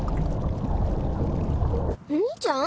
お兄ちゃん？